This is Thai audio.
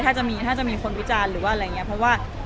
ถ้าจะมีถ้าจะมีคนวิจารณ์หรือว่าอะไรอย่างนี้เพราะว่า